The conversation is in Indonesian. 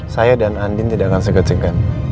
saya dan andin tidak akan seget seget